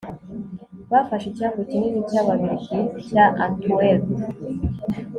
Bafashe icyambu kinini cyAbabiligi cya Antwerp